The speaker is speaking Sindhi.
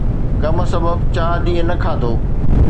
غم سبب چار ڏينهن نه کاڌو.